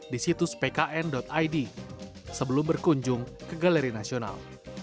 di situs pkn id sebelum berkunjung ke galeri nasional